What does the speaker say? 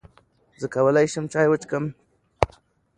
زۀ کولای شم چای وڅښم؟